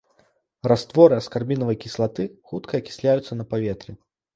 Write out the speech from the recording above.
Растворы аскарбінавай кіслаты хутка акісляюцца на паветры.